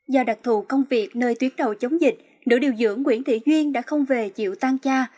do đặc thù công việc nơi tuyến đầu chống dịch nữ điều dưỡng nguyễn thị duyên đã không về chịu tan cha